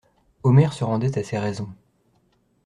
Omer se rendait à ces raisons.